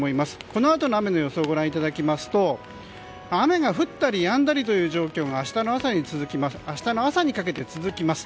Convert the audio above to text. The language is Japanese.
このあとの雨の予想をご覧いただきますと雨が降ったりやんだりという状況が明日の朝にかけて続きます。